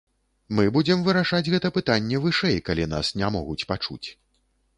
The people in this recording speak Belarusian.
Мы будзем вырашаць гэта пытанне вышэй, калі нас не могуць пачуць.